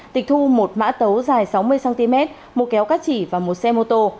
tịch thu một mã tấu dài sáu mươi cm một kéo cắt chỉ và một xe mô tô